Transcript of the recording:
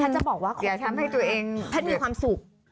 แพทย์จะบอกว่าแพทย์มีความสุข